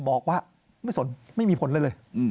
บอกว่าไม่สนไม่มีผลเลยเลย